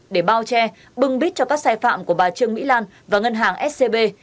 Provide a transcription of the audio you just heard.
để bao che bưng bít cho các sai phạm của bà trương mỹ lan và ngân hàng scb